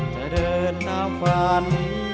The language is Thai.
จะเดินตามฝัน